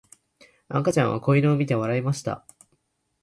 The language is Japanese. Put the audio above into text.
赤ちゃんは子犬を見て笑いました。